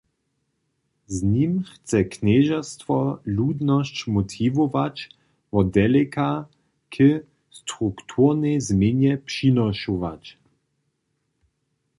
Z nim chce knježerstwo ludnosć motiwować, wot deleka k strukturnej změnje přinošować.